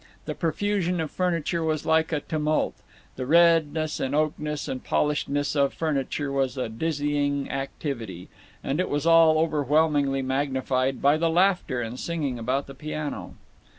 The profusion of furniture was like a tumult; the redness and oakness and polishedness of furniture was a dizzying activity; and it was all overwhelmingly magnified by the laughter and singing about the piano.